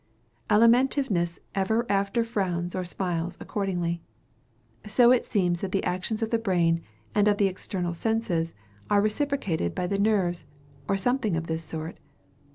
Alimentiveness ever after frowns or smiles accordingly. So it seems that the actions of the brain, and of the external senses, are reciprocated by the nerves, or something of this sort.